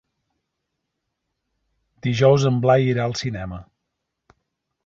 Dijous en Blai irà al cinema.